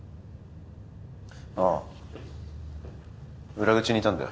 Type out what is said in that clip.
ああ裏口にいたんだよ。